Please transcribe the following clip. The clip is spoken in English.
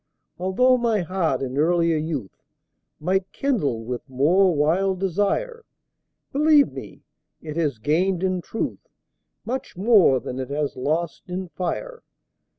Altho' my heart in earlier youth Might kindle with more wild desire, Believe me, it has gained in truth Much more than it has lost in fire.